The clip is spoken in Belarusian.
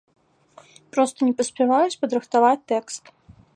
Проста не паспяваюць падрыхтаваць тэкст.